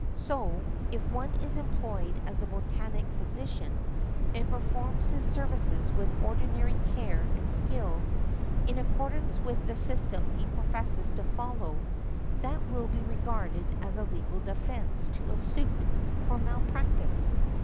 So, if one is employed as a botanic physician, and performs his services with ordinary care and skill, in accordance with the system he professes to follow, that will be regarded as a legal defence to a suit for malpractice.